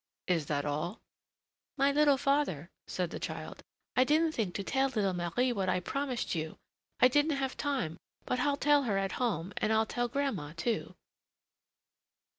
"Is that all?" "My little father," said the child, "I didn't think to tell little Marie what I promised you. I didn't have time, but I'll tell her at home, and I'll tell grandma, too."